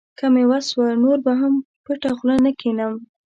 که مې وس و، نور به هم پټه خوله نه کښېنم.